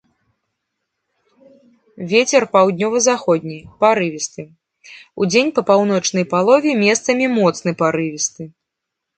Вецер паўднёва-заходні парывісты, удзень па паўночнай палове месцамі моцны парывісты.